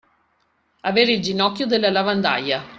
Avere il ginocchio della lavandaia.